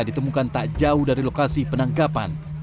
ditemukan tak jauh dari lokasi penangkapan